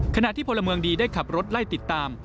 ขณะที่พลเมืองดีได้ขับรถไล่ติดตาม